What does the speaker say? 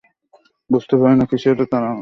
বুঝতে পারি না, কিসের এত তাড়াহুড়ো?